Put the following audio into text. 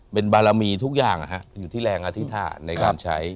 เป็นบารมีทุกอย่างอยู่ที่แรงอธิษฐานในการใช้